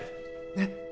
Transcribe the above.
ねっ！